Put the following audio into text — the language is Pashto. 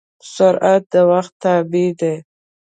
سرعت د وخت تابع دی.